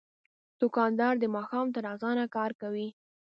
دوکاندار د ماښام تر اذانه کار کوي.